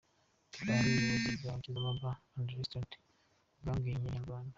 Tuganira n’ubuyobozi bwa Tizama Bar& Restaurent bwabwiye Inyarwanda.